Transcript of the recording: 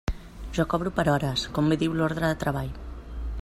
Jo cobro per hores, com bé diu l'ordre de treball.